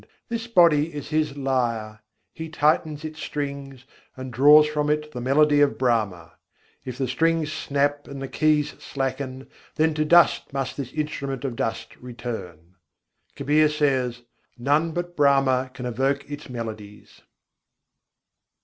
this body is His lyre; He tightens its strings, and draws from it the melody of Brahma. If the strings snap and the keys slacken, then to dust must this instrument of dust return: Kabîr says: "None but Brahma can evoke its melodies."